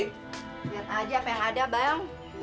lihat aja apa yang ada bayang